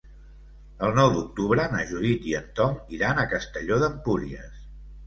El nou d'octubre na Judit i en Tom iran a Castelló d'Empúries.